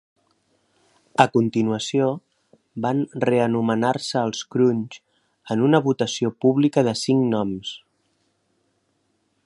A continuació van reanomenar-se els "Crunch", en una votació pública de cinc noms.